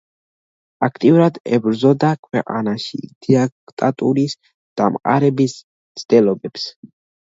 აქტიურად ებრძოდა ქვეყანაში დიქტატურის დამყარების მცდელობებს.